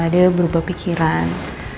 dia berubah pikiran